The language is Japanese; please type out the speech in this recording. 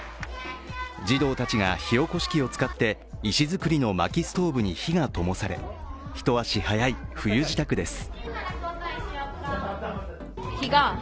児童たちが火おこし器を使って石造りのまきストーブに火がともされ一足早い冬支度です。